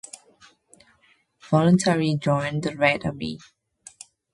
Voluntarily joined the Red Army.